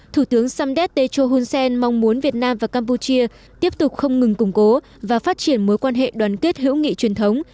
thủ tướng samdet techo hun sen mong muốn việt nam và campuchia tiếp tục không ngừng củng cố và phát triển mối quan hệ đoàn kết hữu nghị truyền thống